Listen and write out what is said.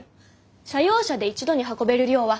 社用車で一度に運べる量は約２００個。